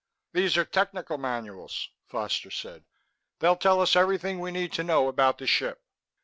"These are technical manuals," Foster said. "They'll tell us everything we need to know about the ship."